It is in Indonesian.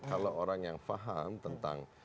kalau orang yang paham tentang